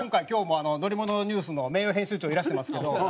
今日も乗りものニュースの名誉編集長いらしてますけど。